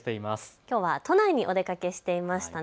きょうは都内にお出かけしていましたね。